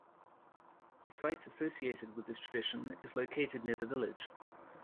A site associated with this tradition is located near the village.